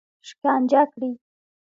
شکنجه کړي.